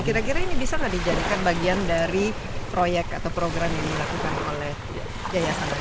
kira kira ini bisa gak dijadikan bagian dari proyek atau program ini ya